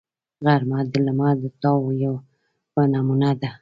غرمه د لمر د تاو یوه نمونه ده